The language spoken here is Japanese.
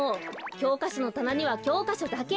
きょうかしょのたなにはきょうかしょだけ。